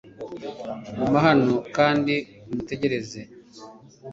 guma hano kandi umutegereze